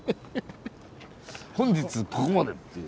本日ここまでっていう。